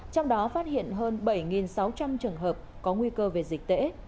trong đó phát hiện hơn bảy sáu trăm linh trường hợp có nguy cơ về dịch tễ